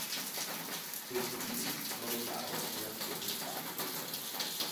Questi libri provocarono un acceso dibattito in merito.